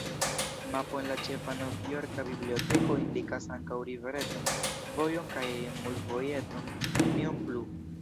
Mapo en la ĉefa novjorka biblioteko indikas ankaŭ rivereton, vojon kaj mulvojeton, nenion plu.